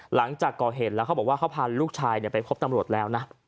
หลังจากก่อเหตุแล้วเขาบอกว่าเขาพาลูกชายไปพบตำรวจแล้วนะ